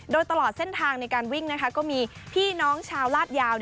โดยตลอดเส้นทางในการวิ่งก็มีพี่น้องชาวลาดยาว